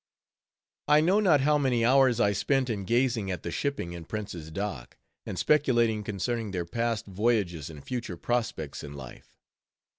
I know not how many hours I spent in gazing at the shipping in Prince's Dock, and speculating concerning their past voyages and future prospects in life.